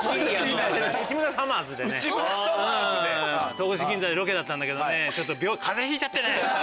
戸越銀座でロケだったんだけど風邪ひいちゃってね。